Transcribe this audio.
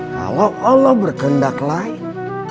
kalau allah berkehendak lain